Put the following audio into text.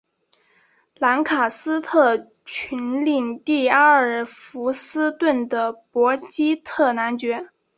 兰卡斯特郡领地阿尔弗斯顿的伯基特男爵。